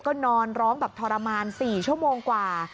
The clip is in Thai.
ก็นอนร้องแบบทรมาน๔ชั่วโมงกว่า